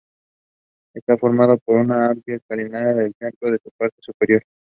Está formada por una amplia escalinata con templo en su parte superior.